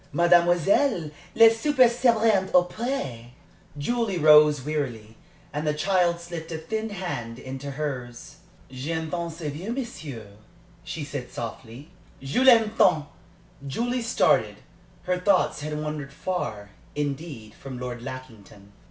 "Mademoiselle, le souper sera bientôt prêt." Julie rose wearily, and the child slipped a thin hand into hers. "J'aime tant ce vieux monsieur," she said, softly. "Je l'aime tant!" Julie started. Her thoughts had wandered far, indeed, from Lord Lackington.